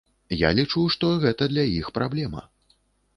Я лічу, што гэта для іх праблема.